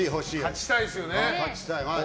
勝ちたいですよね。